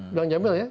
belang jamil ya